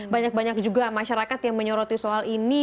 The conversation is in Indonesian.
banyak banyak juga masyarakat yang menyoroti soal ini